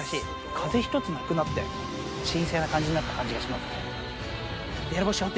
風一つなくなって神聖な感じになった感じがしますね。